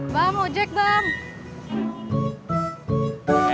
bang ojek belum